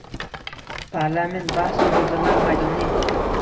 Parlament – bahs-munozaralar maydoning